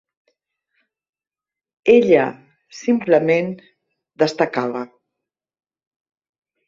Ella simplement destacava.